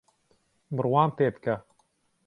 بڕوام پێبکە